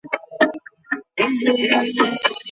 آیا د نورو خلګو تجربې د لارښووني په توګه کارول کېږي؟